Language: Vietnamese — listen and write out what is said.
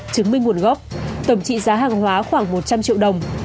chứng minh nguồn gốc tổng trị giá hàng hóa khoảng một trăm linh triệu đồng